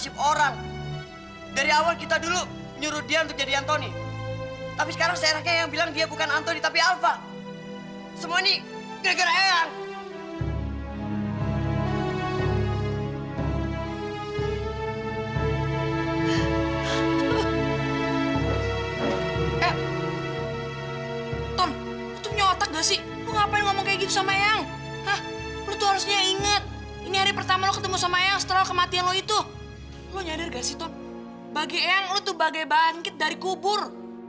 bagi eyang lo tuh bagai bangkit dari kubur